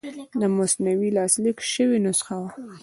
د مثنوي لاسلیک شوې نسخه وه.